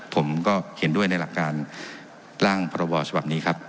ผมก็เขียนด้วยในหลักการล่างพรบสำหรับนี้ครับ